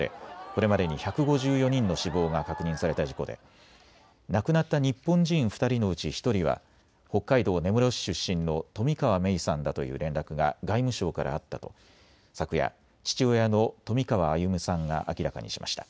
これまでに１５４人の死亡が確認された事故で亡くなった日本人２人のうち１人は北海道根室市出身の冨川芽生さんだという連絡が外務省からあったと昨夜、父親の冨川歩さんが明らかにしました。